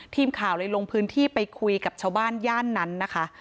ทีมข่าวเลยลงพื้นที่ไปคุยกับชาวบ้านย่านนั้นนะคะ